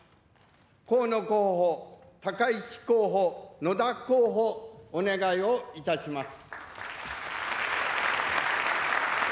河野候補、高市候補、野田候補、お願いをいたします。